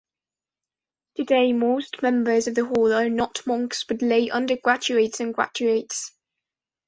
Today, most members of the Hall are not monks, but lay undergraduates and graduates.